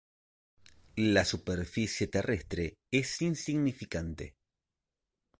La superficie terrestre es insignificante.